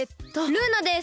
ルーナです。